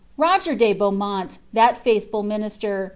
Roger de Beaumont, Uiat faithful minister